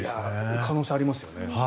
可能性ありますよね。